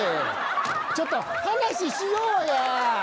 ちょっと話しようや。